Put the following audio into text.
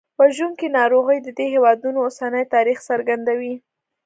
وژونکي ناروغۍ د دې هېوادونو اوسني تاریخ څرګندوي.